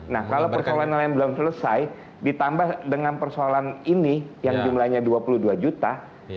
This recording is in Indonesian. nah kalau persoalan nelayan belum selesai ditambah dengan persoalan ini yang jumlahnya dua puluh dua juta